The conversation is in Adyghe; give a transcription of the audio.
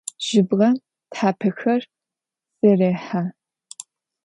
Jıbğem thapexer zêrêhe.